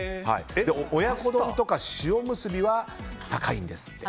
親子丼とか、塩むすびは高いんですって。